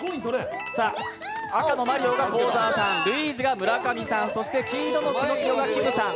赤のマリオが幸澤さん、ルイージが村上さん、そして黄色のキノピオがきむさん。